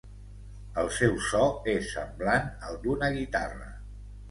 El seu so és semblant al d'una guitarra.